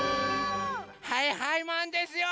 はいはいマンですよ！